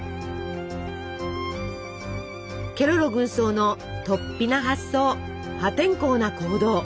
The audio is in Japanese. ケロロ軍曹のとっぴな発想破天荒な行動